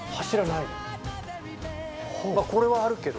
これはあるけど。